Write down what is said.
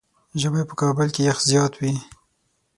ژمی په کابل کې زيات يخ وي.